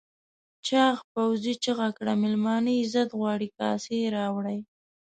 چاغ پوځي چیغه کړه مېلمانه عزت غواړي کاسې راوړئ.